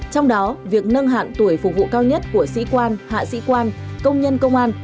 trong đó việc nâng hạn tuổi phục vụ cao nhất của sĩ quan hạ sĩ quan công nhân công an